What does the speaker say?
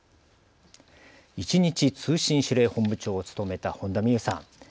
１日通信指令本部長を務めた本田望結さん。